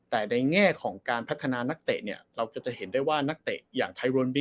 แต่ในแง่ของการพัฒนานักเตะเนี่ยเราก็จะเห็นได้ว่านักเตะอย่างไทยรวนบิ